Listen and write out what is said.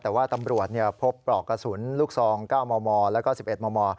แต่ว่าตำรวจพบปลอกกระสุนลูกซอง๙มมแล้วก็๑๑มม